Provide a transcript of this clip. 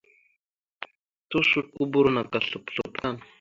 Tusotokoboro naka slop slop tan.